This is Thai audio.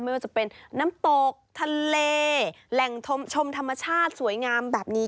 ไม่ว่าจะเป็นน้ำตกทะเลแหล่งชมธรรมชาติสวยงามแบบนี้